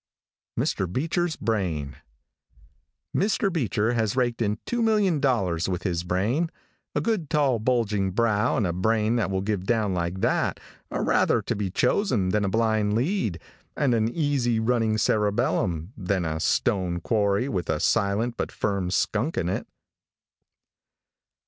MR. BEECHER'S BRAIN. |MR. BEECHER, has raked in $2,000,000 with his brain. A good, tall, bulging brow, and a brain that will give down like that, are rather to be chosen than a blind lead, and an easy running cerebellum, than a stone quarry with a silent but firm skunk in it.